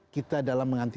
kita dalam mengantar